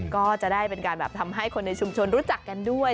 ก็จะได้เป็นการแบบทำให้คนในชุมชนรู้จักกันด้วย